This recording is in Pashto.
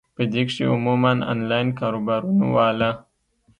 پۀ دې کښې عموماً انلائن کاروبارونو واله ،